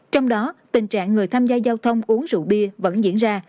trong đó tình trạng người tham gia giao thông uống rượu bia vẫn diễn ra